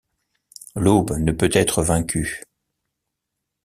L’aube ne peut être vaincue.